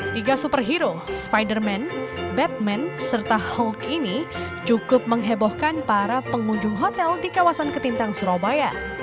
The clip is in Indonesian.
tiga superhero spiderman batman serta helk ini cukup menghebohkan para pengunjung hotel di kawasan ketintang surabaya